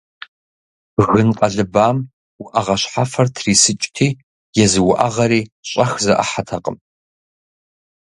Гын къэлыбам уӏэгъэ щхьэфэр трисыкӏти, езы уӏэгъэри щӏэх зэӏыхьэтэкъым.